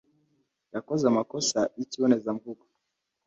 Yakoze amakosa yikibonezamvugo.